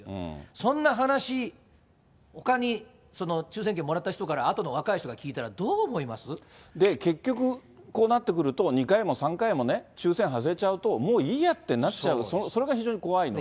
そんな話、ほかに、その抽せん券もらった人から、あとの若い人が聞いたらどう思いま結局、こうなってくると、２回も３回もね、抽せん外れちゃうと、もういいやってなっちゃう、それが非常に怖いのと。